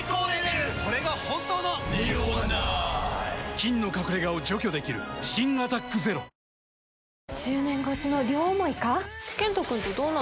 菌の隠れ家を除去できる新「アタックＺＥＲＯ」行きつけ教えます！